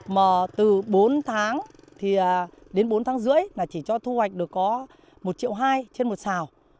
mà từ bốn tháng thì đến bốn tháng rưỡi là chỉ cho thu hoạch được có một triệu hai trên một xào